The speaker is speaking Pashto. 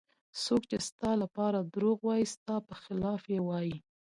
څوک چې ستا لپاره دروغ وایي ستا په خلاف یې وایي.